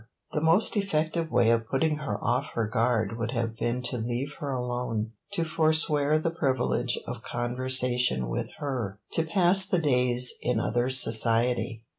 The most effective way of putting her off her guard would have been to leave her alone, to forswear the privilege of conversation with her, to pass the days in other society.